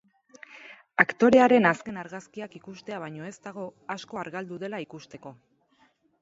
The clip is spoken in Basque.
Aktorearen azken argazkiak ikustea baino ez dago asko argaldu dela ikusteko.